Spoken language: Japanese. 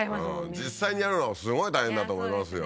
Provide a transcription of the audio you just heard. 実際にやるのはすごい大変だと思いますよ